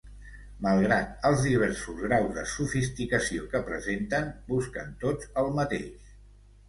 Malgrat els diversos graus de sofisticació que presenten, busquen tots el mateix.